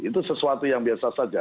itu sesuatu yang biasa saja